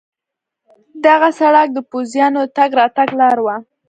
دغه سړک د پوځیانو د تګ راتګ لار وه.